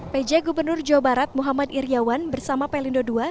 pj gubernur jawa barat muhammad iryawan bersama pelindo ii